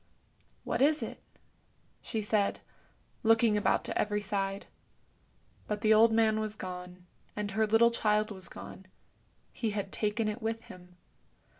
" What is it? " she said, looking about to every side. But the old man was gone, and her little child was gone; he had taken it with him.